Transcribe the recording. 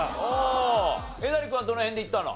えなり君はどの辺でいったの？